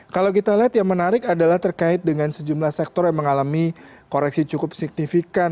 kalau kita lihat yang menarik adalah terkait dengan sejumlah sektor yang mengalami koreksi cukup signifikan